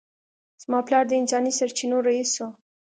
زما پلار د انساني سرچینو رییس و